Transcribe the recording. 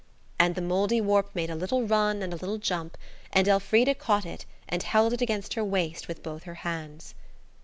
And the Mouldiwarp made a little run and a little jump, and Elfrida caught it and held it against her waist with both her hands.